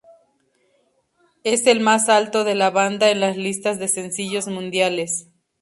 Es el más alto de la banda en las listas de sencillos mundiales.